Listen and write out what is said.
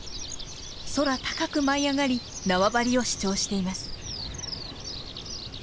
空高く舞い上がり縄張りを主張しています。